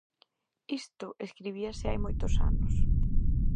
Isto escribíase hai moitos anos.